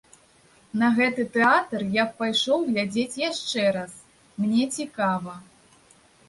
На гэты тэатр я б пайшоў глядзець яшчэ раз, мне цікава.